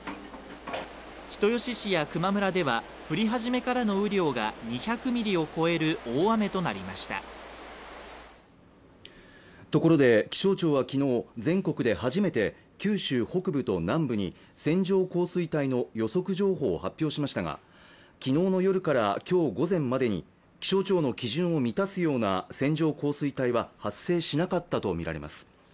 人吉市や球磨村では降り始めからの雨量が２００ミリを超える大雨となりましたところで気象庁は昨日全国で初めて九州北部と南部に線状降水帯の予測情報を発表しましたが昨日の夜から今日午前までに気象庁の基準を満たすような線状降水帯は発生しなかったと見られます。